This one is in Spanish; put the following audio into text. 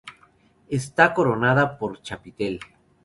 Está coronada por chapitel.